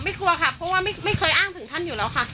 กลัวค่ะเพราะว่าไม่เคยอ้างถึงท่านอยู่แล้วค่ะ